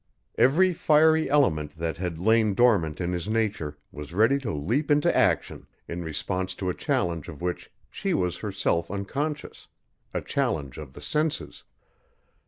Every fiery element that had lain dormant in his nature was ready to leap into action, in response to a challenge of which she was herself unconscious a challenge to the senses.